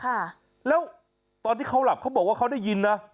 ค่ะแล้วตอนที่เขาหลับเขาบอกว่าเขาได้ยินนะ